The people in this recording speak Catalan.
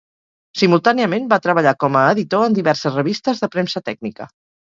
Simultàniament va treballar com a editor en diverses revistes de premsa tècnica.